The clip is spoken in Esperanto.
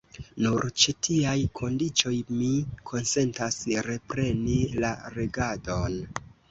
Nur ĉe tiaj kondiĉoj mi konsentas repreni la regadon.